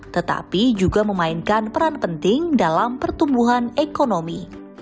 tetapi juga memainkan peran penting dalam pertumbuhan ekonomi